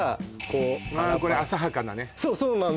これ浅はかなねそう！